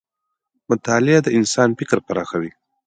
مطالعه د انسان فکر پراخوي.